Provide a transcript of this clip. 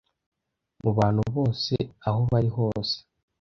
mu bantu bose aho bari hose